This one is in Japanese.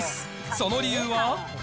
その理由は？